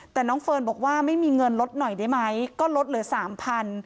แต่น้องเฟิร์นบอกว่าไม่มีเงินลดหน่อยได้ไหมก็ลดเหลือสามพัน